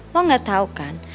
lo gak tau kan